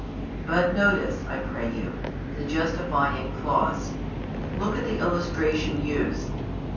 But notice, I pray you, the justifying clause; look at the illustration used.